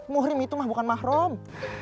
muhrim itu mah bukan mahrum